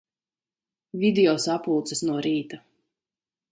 Video sapulces no rīta.